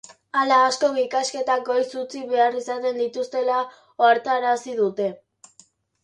Hala, askok ikasketak goiz utzi behar izaten dituztela ohartarazi dute.